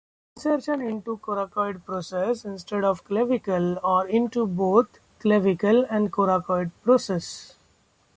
Insertion into coracoid process instead of clavicle or into both clavicle and coracoid process.